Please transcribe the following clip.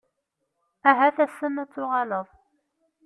Ahat ass-n ad tuɣaleḍ.